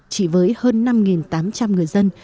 chỉ với hơn năm tám trăm linh người dân